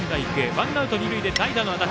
ワンアウト、二塁で代打の安達。